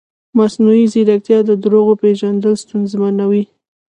مصنوعي ځیرکتیا د دروغو پېژندل ستونزمنوي.